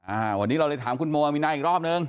อ่าวันนี้เราเลยถามคุณโมอามีนาอีกรอบนึง